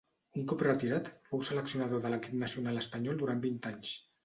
Un cop retirat fou seleccionador de l'equip nacional espanyol durant vuit anys.